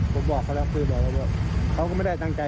ผมบอกเขาแล้วคือบอกเขาก็ไม่ได้ตั้งใจ